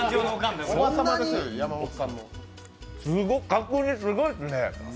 角煮すごいっすね。